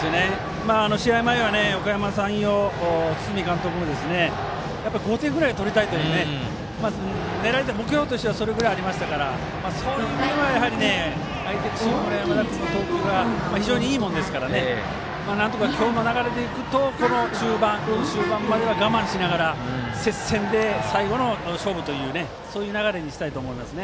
試合前は、おかやま山陽の堤監督も５点ぐらい取りたいと狙いとしてはそれぐらいありましたからそれには、相手の投球が非常にいいものですからこの流れでいくとこの中盤、終盤までは我慢しながら接戦で最後の勝負というそういう流れにしたいと思います。